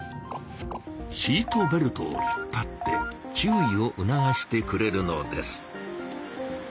シートベルトを引っぱって注意をうながしてくれるのです。